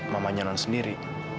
mamanya non sendiri